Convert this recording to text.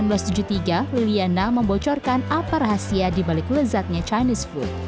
liliana membocorkan apa rahasia dibalik lezatnya chinese food